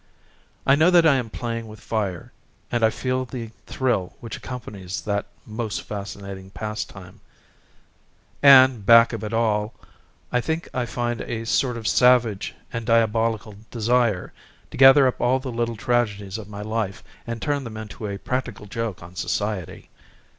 I know that I am playing with fire, and I feel the thrill which accompanies that most fascinating pastime; and, back of it all, I think I find a sort of savage and diabolical desire to gather up all the little tragedies of my life, and turn them into a practical joke on society.